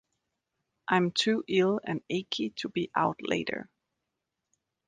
I'm too ill and achy to be out later.